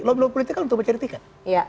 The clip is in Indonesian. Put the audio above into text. lo belum politik kan untuk mencari tiket